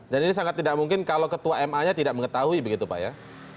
dan ini sangat tidak mungkin kalau ketua ma nya tidak mengetahui begitu pak ya